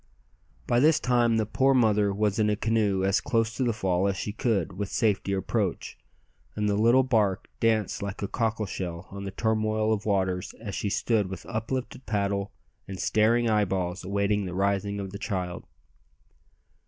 By this time the poor mother was in a canoe as close to the fall as she could with safety approach, and the little bark danced like a cockle shell on the turmoil of waters as she stood with uplifted paddle and staring eyeballs awaiting the rising of the child.